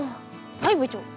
はい部長！